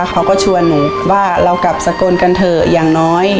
เขาก็ชวนหนูว่าเรากลับสกลกันเถอะอย่างน้อย